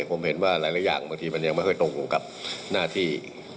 ผมเห็นว่าหลายอย่างบางทีมันยังไม่ค่อยตรงกับหน้าที่